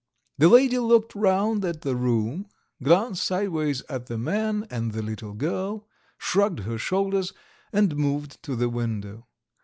The lady looked round at the room, glanced sideways at the man and the little girl, shrugged her shoulders, and moved to the window.